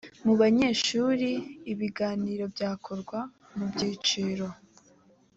mubabanyeshuri ibiganiro byakorwa mu byiciro